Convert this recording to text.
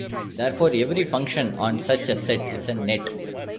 Therefore every function on such a set is a net.